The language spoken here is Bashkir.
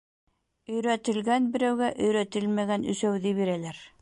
Өйрәтелгән берәүгә өйрәтелмәгән өсәүҙе бирәләр.